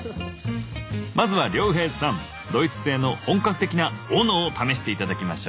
まずは亮平さんドイツ製の本格的なオノを試して頂きましょう。